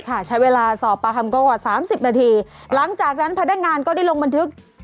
ใช้เวลาสอบปากคำก็กว่าสามสิบนาทีหลังจากนั้นพนักงานก็ได้ลงบันทึก